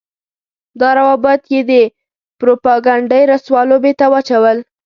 دا روابط يې د پروپاګنډۍ رسوا لوبې ته واچول.